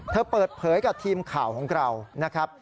เปิดเผยกับทีมข่าวของเรานะครับ